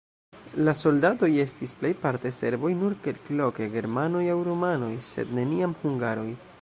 La soldatoj estis plejparte serboj, nur kelkloke germanoj aŭ rumanoj, sed neniam hungaroj.